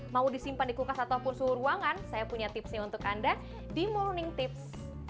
mau disimpan di kulkas ataupun suhu ruangan saya punya tipsnya untuk anda di morning tips